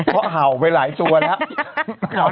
เพราะเห่าไปหลายตัวแล้ว